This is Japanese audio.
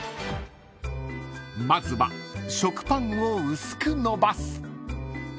［まずは食パンを薄くのばす］